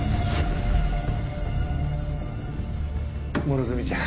両角ちゃん